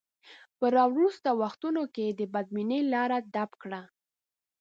په راوروسته وختونو کې بدبینۍ لاره ډب کړه.